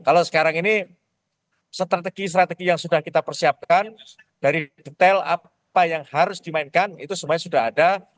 kalau sekarang ini strategi strategi yang sudah kita persiapkan dari detail apa yang harus dimainkan itu semuanya sudah ada